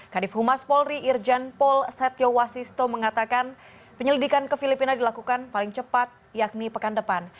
kadif humas polri irjen pol setio wasisto mengatakan penyelidikan ke filipina dilakukan paling cepat yakni pekan depan